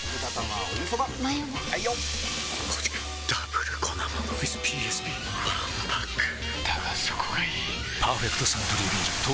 わんぱくだがそこがいい「パーフェクトサントリービール糖質ゼロ」